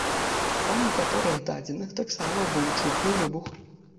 Па некаторых дадзеных, таксама быў чутны выбух.